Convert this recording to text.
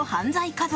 家族